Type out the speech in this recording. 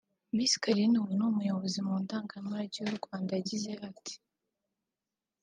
Miss Carine ubu ni umuyobozi mu Nzu Ndangamurage y’u Rwanda yagize ati